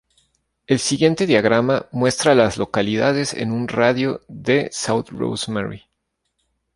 El siguiente diagrama muestra a las localidades en un radio de de South Rosemary.